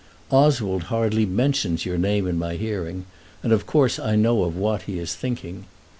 Oswald hardly mentions your name in my hearing, and of course I know of what he is thinking.